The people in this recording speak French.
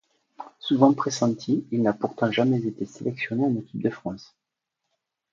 Souvent pressenti, il n'a pourtant jamais été sélectionné en équipe de France.